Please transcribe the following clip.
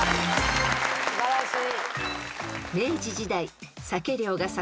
素晴らしい。